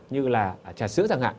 như là trà sữa chẳng hạn